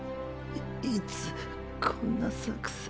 いつこんな作戦。